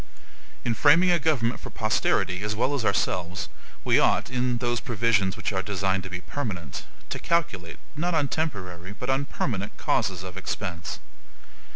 In framing a government for posterity as well as ourselves, we ought, in those provisions which are designed to be permanent, to calculate, not on temporary, but on permanent causes of expense.